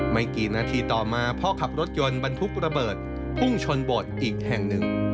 ไม่กี่นาทีต่อมาพ่อขับรถยนต์บรรทุกระเบิดพุ่งชนโบสถ์อีกแห่งหนึ่ง